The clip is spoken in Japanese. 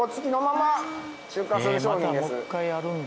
またもう一回やるんだ。